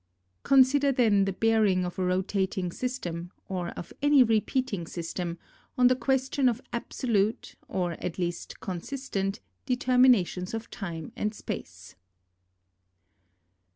Consider then the bearing of a rotating system, or of any repeating system, on the question of absolute, or at least consistent, determinations of time and space.